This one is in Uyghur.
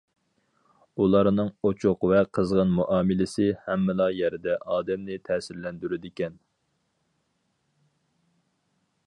ئۇلارنىڭ ئوچۇق ۋە قىزغىن مۇئامىلىسى ھەممىلا يەردە ئادەمنى تەسىرلەندۈرىدىكەن.